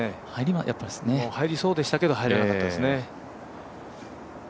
入りそうでしたけど入らなかったですね。